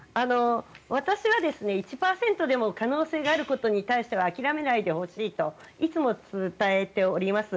私は１％でも可能性があることに対しては諦めないでほしいといつも伝えております。